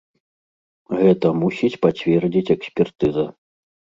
Гэта мусіць пацвердзіць экспертыза.